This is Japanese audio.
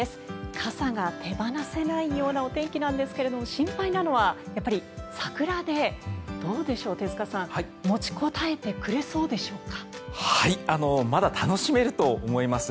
傘が手放せないようなお天気なんですが心配なのはやっぱり桜でどうでしょう、手塚さん持ちこたえてくれそうでしょうか？